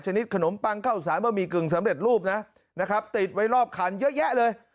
ขนมปังข้าวสารบะหมี่กึ่งสำเร็จรูปนะนะครับติดไว้รอบคันเยอะแยะเลย